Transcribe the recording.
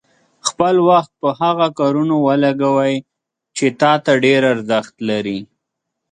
خپل وخت په هغه کارونو ولګوئ چې تا ته ډېر ارزښت لري.